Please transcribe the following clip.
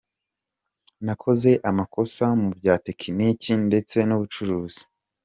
Nakoze amakosa mu bya tekiniki ndetse n’ubucuruzi.